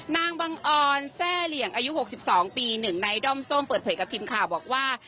นางบังออนแทร่เหลี่ยงอายุ๖๒ปี๑ในด้อมส้มเปิดเผยกับทีมข่าวบอกว่า